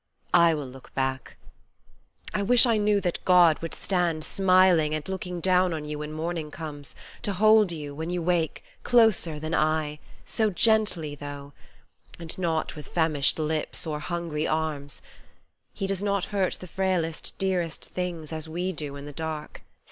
I will look back. I wish I knew that God would stand Smiling and looking down on you when morning comes, To hold you, when you wake, closer than I, So gently though : and not with famished lips or hungry arms : He does not hurt the frailest, dearest things As we do in the dark.